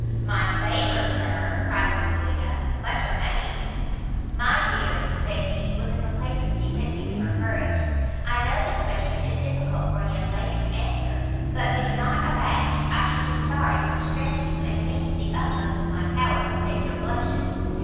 "My favour, Sir!" cried Cecilia, much amazed. "My dear," said he, with a complacency meant to give her courage, "I know the question is difficult for a young lady to answer; but be not abashed, I should be sorry to distress you, and mean to the utmost of my power to save your blushes.